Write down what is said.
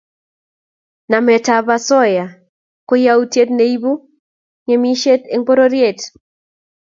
Nametab osoya ko yautiet neibu ngemisiet eng pororiet